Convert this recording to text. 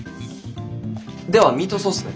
ではミートソースで。